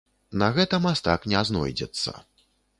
На гэта мастак не знойдзецца.